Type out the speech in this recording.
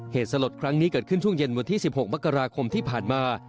เหตุสลดครั้งนี้เกิดขึ้นช่วงเย็นวันที่๑๖มกราคมที่ผ่านมา